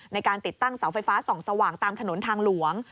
ในการติดตั้งเสาไฟฟ้าส่องสว่างตามถนนทางหลวง